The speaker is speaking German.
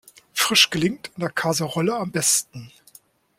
Fisch gelingt in der Kaserolle am besten.